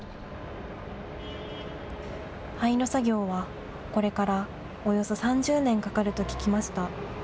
廃炉作業はこれからおよそ３０年かかると聞きました。